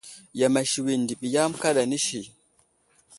Yam asiwi ndiɓi yam kaɗa nəsi.